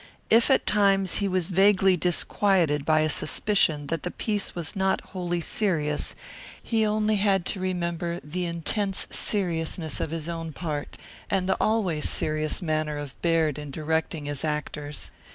If at times he was vaguely disquieted by a suspicion that the piece was not wholly serious, he had only to remember the intense seriousness of his own part and the always serious manner of Baird in directing his actors.